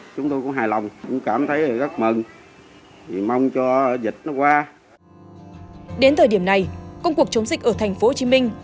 công cuộc chống dịch ở thành phố hồ chí minh